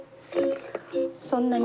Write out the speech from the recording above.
そんなに。